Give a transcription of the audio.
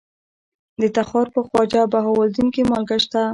د تخار په خواجه بهاوالدین کې مالګه شته.